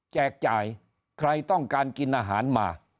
จ่ายใครต้องการกินอาหารมา